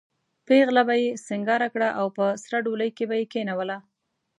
پېغله به یې سینګاره کړه او په سره ډولۍ کې به یې کېنوله.